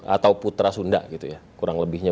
atau putra sunda gitu ya kurang lebihnya